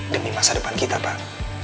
demi masa depan kita pak